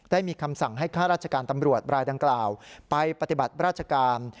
ได้มีคำสั่งให้ข้าราชการตำรวจรายดังกล่าวไปปฏิบัติราชการ